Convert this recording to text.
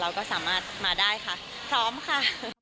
เราก็สามารถมาได้ค่ะพร้อมค่ะ